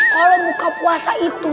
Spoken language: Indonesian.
kalau buka puasa itu